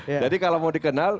jadi kalau mau dikenal